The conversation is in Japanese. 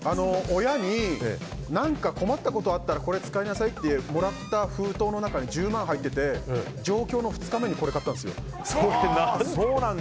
親に何か困ったことあったらこれ使いなさいってもらった封筒の中に１０万が入っていて上京の２日目にこれ買ったんですよ。